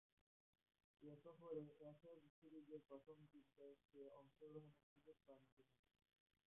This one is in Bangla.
এ সফরে অ্যাশেজ সিরিজের প্রথম তিন টেস্টে অংশগ্রহণের সুযোগ পান তিনি।